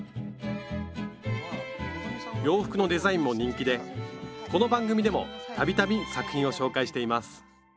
洋服のデザインも人気でこの番組でも度々作品を紹介しています